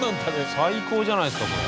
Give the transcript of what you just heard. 最高じゃないですかこれ。